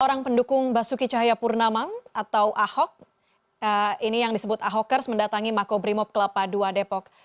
orang pendukung basuki cahaya purnamang atau ahok ini yang disebut ahokers mendatangi mako brimob kelapa dua depok